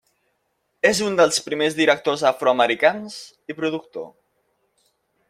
És un dels primers directors afro-americans, i productor.